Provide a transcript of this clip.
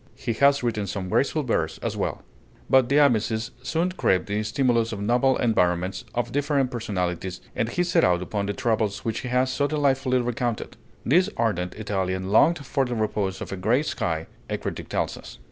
He has written some graceful verse as well. [Illustration: EDMONDO DE AMICIS] But De Amicis soon craved the stimulus of novel environments, of differing personalities; and he set out upon the travels which he has so delightfully recounted. This ardent Italian longed for the repose of "a gray sky," a critic tells us.